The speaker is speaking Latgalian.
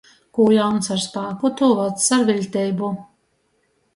Kū jauns ar spāku, tū vacs ar viļteibu.